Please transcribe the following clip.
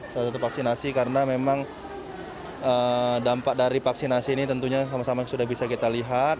salah satu vaksinasi karena memang dampak dari vaksinasi ini tentunya sama sama sudah bisa kita lihat